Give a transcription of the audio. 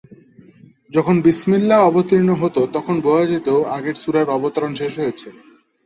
যখন "বিসমিল্লাহ" অবতীর্ণ হতো তখন বোঝা যেত, আগের সূরার অবতরণ শেষ হয়েছে।